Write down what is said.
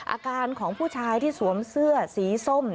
อาการของผู้ชายที่สวมเสื้อสีส้ม